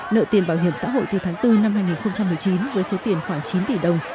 nợ tiền bảo hiểm xã hội từ tháng bốn năm hai nghìn một mươi chín với số tiền khoảng chín tỷ đồng